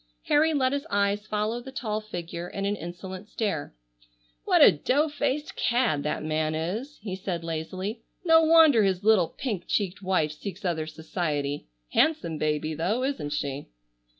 Harry let his eyes follow the tall figure in an insolent stare. "What a dough faced cad that man is!" he said lazily, "no wonder his little pink cheeked wife seeks other society. Handsome baby, though, isn't she?"